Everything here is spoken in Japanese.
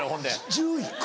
１１個。